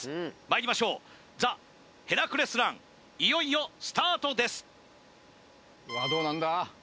まいりましょうザ・ヘラクレスランいよいよスタートですどうなんだ？